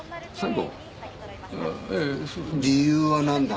ええ理由は何だ？